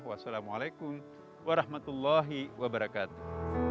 wassalamualaikum warahmatullahi wabarakatuh